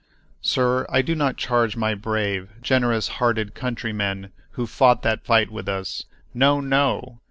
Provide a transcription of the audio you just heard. Sir, I do not charge my brave, generous hearted countrymen who fought that fight with this. No, no!